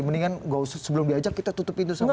mendingan sebelum diajak kita tutup pintu sama sekali